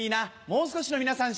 もう少しの皆さん